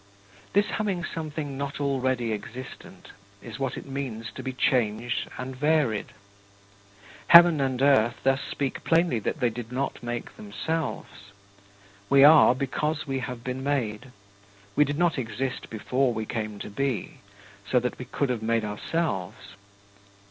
This having something not already existent is what it means to be changed and varied. Heaven and earth thus speak plainly that they did not make themselves: "We are, because we have been made; we did not exist before we came to be so that we could have made ourselves!"